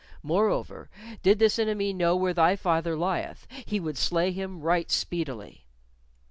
Moreover, did this enemy know where thy father lieth, he would slay him right speedily."